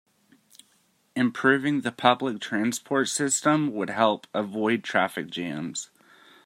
Improving the public transport system would help avoid traffic jams.